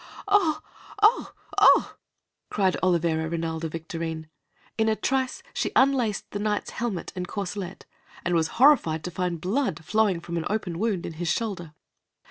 "Oh, oh, oh!" cried Olivera Rinalda Victorine. In a trice she unlaced the Knight's helmet and corselet, and was horrified to find blood flowing from an open wound in his shoulder.